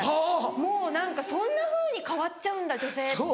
もう何かそんなふうに変わっちゃうんだ女性って。